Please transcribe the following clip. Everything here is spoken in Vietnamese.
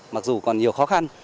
mặc dù còn nhiều khó khăn